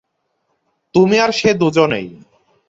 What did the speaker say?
তুমি আর সে দুজনেই।